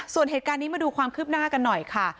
ส่วนเหตุการณ์นี้มาดูความคืบหน้ากันหน่อยค่ะ